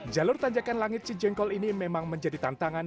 jalur tanjakan langit cijengkol ini memang menjadi tantangan